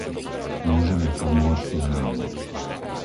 Môžeme pomôcť len im.